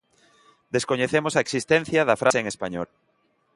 Descoñecemos a existencia da frase en español.